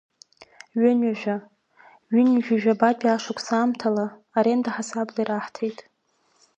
Ҩынҩажәа, ҩынҩажәижәабатәи ашықәс аамҭала, аренда ҳасабала ираҳҭеит.